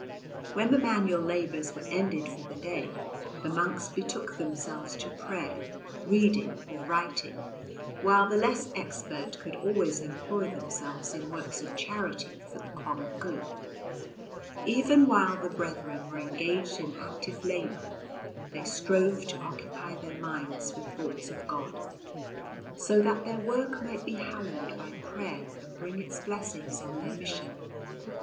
When the manual labours were ended for the day, the monks betook themselves to prayer, reading, or writing, while the less expert could always employ themselves in works of charity for the common good. Even while the brethren were engaged in active labour, they strove to occupy their minds with thoughts of God, so that their work might be hallowed by prayer and bring its blessings on their mission.